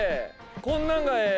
こんなんがええ。